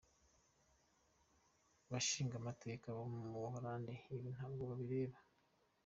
“Bashingamateka bo mu Buhorandi, ibi ntabwo bibareba!